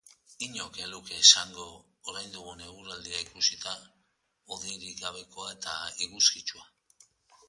Inork ez luke esango orain dugun eguraldia ikusita, hodeirik gabekoa eta eguzkitsua.